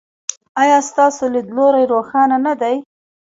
ایا ستاسو لید لوری روښانه نه دی؟